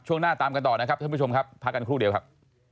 หน้าตามกันต่อนะครับท่านผู้ชมครับพักกันครู่เดียวครับ